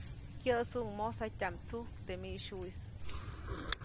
Kyäʼsuʼuŋ mojsatyaʼm tsujk teʼ miʼsyuʼis.